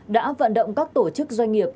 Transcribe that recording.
đã vận động các tổ chức doanh nghiệp